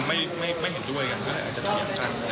จริงก็บอกทุกอย่างทุกหมดตั้งแต่ตอนเขามีชีวิตอยู่แล้วนะครับ